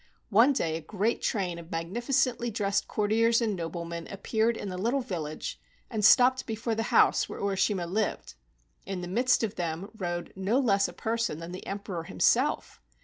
One day a great train of magnificently dressed courtiers and noblemen appeared in the little village and stopped before the house where Urishima lived. In the midst of them rode no less a person than the Emperor himself.